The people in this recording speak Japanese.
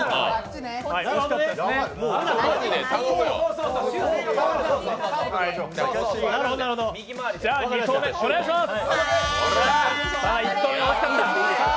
では２投目お願いします。